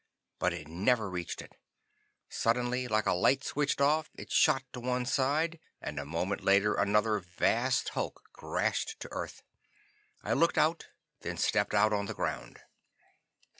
But it never reached it. Suddenly, like a light switched off, it shot to one side, and a moment later another vast hulk crashed to earth. I looked out, then stepped out on the ground.